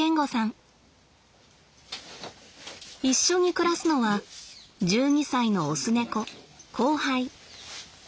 一緒に暮らすのは１２歳のオス猫コウハイ。